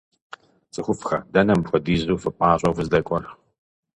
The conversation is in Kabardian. ЦӀыхуфӀхэ, дэнэ мыпхуэдизу фыпӀащӀэу фыздэкӀуэр?